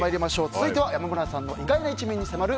続いては山村さんの意外な一面に迫る